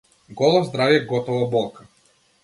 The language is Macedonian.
Голо здравје, готова болка.